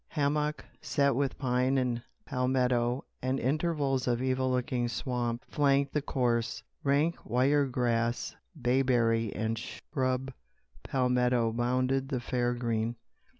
Hammock, set with pine and palmetto, and intervals of evil looking swamp, flanked the course. Rank wire grass, bayberry and scrub palmetto bounded the fairgreen.